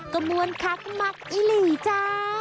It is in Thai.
ก็มวลคักมักอีหลีจ้า